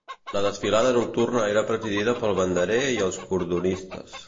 La desfilada nocturna era presidida pel banderer i els cordonistes.